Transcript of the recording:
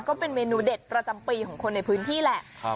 ก็เป็นเมนูเด็ดประจำปีของคนในพื้นที่แหละ